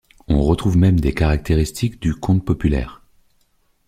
On retrouve même des caractéristiques du conte populaire.